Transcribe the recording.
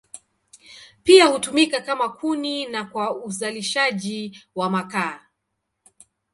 Pia hutumika kama kuni na kwa uzalishaji wa makaa.